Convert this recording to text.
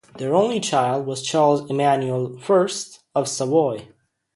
Their only child was Charles Emmanuel I of Savoy.